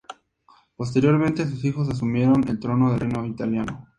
Posteriormente sus hijos asumieron el trono del reino italiano.